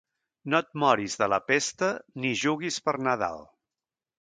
No et moris de la pesta, ni juguis per Nadal.